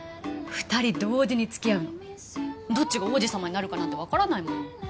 ２人同時に付き合うのどっちが王子様になるかなんて分からないもの